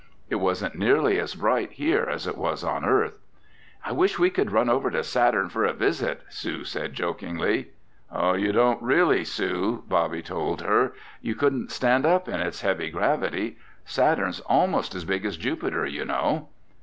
It wasn't nearly as bright here as it was on Earth. "I wish we could run over to Saturn for a visit," Sue said, jokingly. "You don't really, Sue," Bobby told her. "You couldn't stand up in its heavy gravity. Saturn's almost as big as Jupiter, you know."